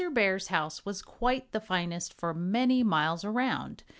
Bear's house was quite the finest for many miles around.